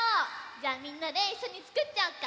じゃあみんなでいっしょにつくっちゃおうか。